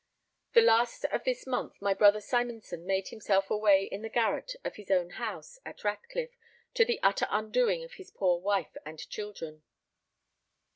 The last of this month my brother Simonson made himself away in the garret of his own house at Ratcliff, to the utter undoing of his poor wife and children.